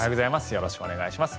よろしくお願いします。